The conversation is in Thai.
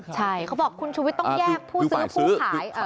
ใช่เขาบอกคุณชุวิตต้องแยกผู้ซื้อผู้ขาย